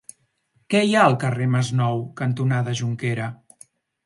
Què hi ha al carrer Masnou cantonada Jonquera?